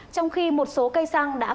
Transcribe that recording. trong khi một số cây xăng